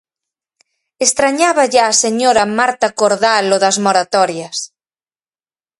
Estrañáballe á señora Marta Cordal o das moratorias.